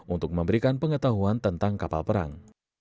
untuk memberikan pengetahuan tentang kapal perang